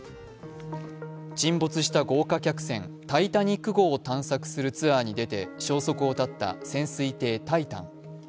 沈没した豪華客船「タイタニック」号を探索するツアーに出て消息を絶った潜水艇「タイタン」。